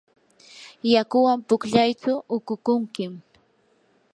yakuwan pukllaytsu uqukunkim.